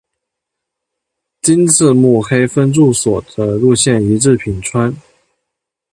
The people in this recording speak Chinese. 今次目黑分驻所的路线移至品川。